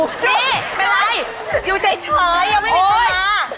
เฮ้ยอยู่ใช่เฉยยังไม่มีเวลา